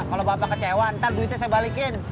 kalau bapak kecewa ntar duitnya saya balikin